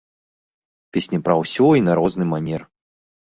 Песні пра ўсё і на розны манер.